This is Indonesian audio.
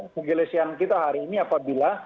kegelesian kita hari ini apabila